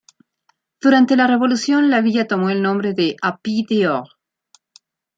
Durante la Revolución, la villa tomó el nombre de "Épi-d’Or".